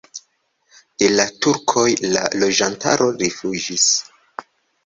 De la turkoj la loĝantaro rifuĝis.